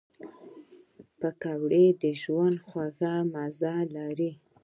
پکورې د ژوند خوږ مزه لري